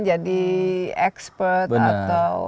jadi expert atau